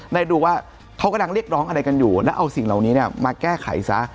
ได้ดูว่าเขากำลังเรียกร้องอะไรกันอยู่แล้วเอาสิ่งเหล่านี้มาแก้ไขซะ